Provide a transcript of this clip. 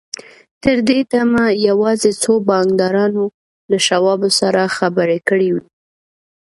تر دې دمه يوازې څو بانکدارانو له شواب سره خبرې کړې وې.